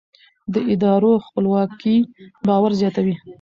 د ادارو خپلواکي باور زیاتوي